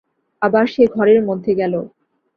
আবার সে ঘরের মধ্যে গেল।